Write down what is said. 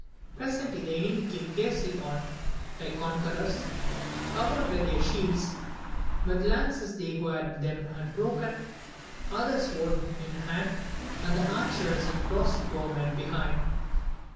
Presently the enemy came fiercely on, like conquerors, covered with their shields, with lances they who had them unbroken, others sword in hand, and the archers and cross bowmen behind.